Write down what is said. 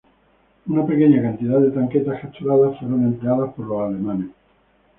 Una pequeña cantidad de tanquetas capturadas fueron empleadas por los alemanes.